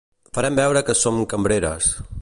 Farem veure que som cambreres.